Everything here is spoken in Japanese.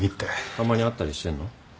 たまに会ったりしてんの？